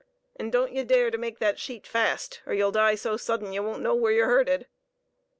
'N' don't ye dare to make thet sheet fast, 'r ye'll die so sudden y' won't know whar y'r hurted."